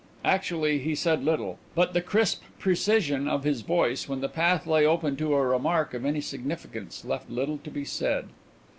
Actually, he said little, but the crisp precision of his voice when the path lay open to a remark of any significance left little to be said.